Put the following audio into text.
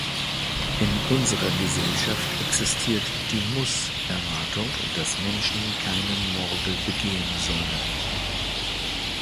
In unserer Gesellschaft existiert die Muss-Erwartung, dass Menschen keine Morde begehen sollen.